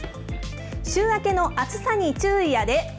週明けの暑さに注意やで。